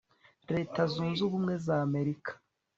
leta zunze ubumwe z'amerika